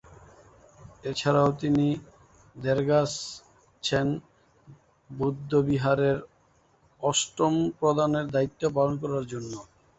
এছাড়াও তিনি র্দ্জোগ্স-ছেন বৌদ্ধবিহারের অষ্টম প্রধানের দায়িত্ব পালন করেন।